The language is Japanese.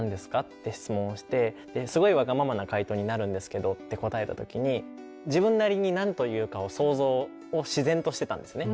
って質問をして「すごいわがままな回答になるんですけど」って答えた時に自分なりに何と言うかを想像を自然としてたんですね。